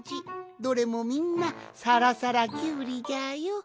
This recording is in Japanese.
どれもみんなさらさらキュウリじゃよ。